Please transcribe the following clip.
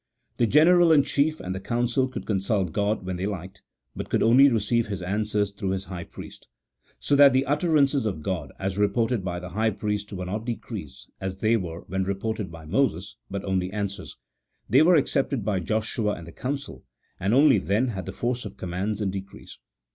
The general in chief and the council could consult God when they liked, but could only receive His answers through the high priest ; so that the utterances of God, as reported by the high priest, were not decrees, as they were when reported by Moses, but only answers ; they were accepted by Joshua and the council, and only then had the force of commands and decrees.